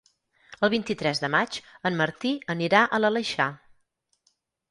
El vint-i-tres de maig en Martí anirà a l'Aleixar.